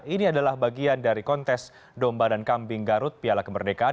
ini adalah bagian dari kontes domba dan kambing garut piala kemerdekaan